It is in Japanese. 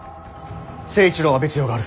成一郎は別用がある。